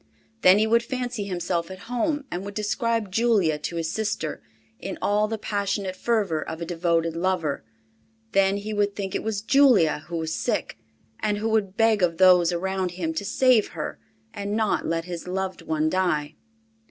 Then he would fancy himself at home and would describe Julia to his sister in all the passionate fervor of a devoted lover; then he would think it was Julia who was sick, and would beg of those around him to save her, and not let his loved one die.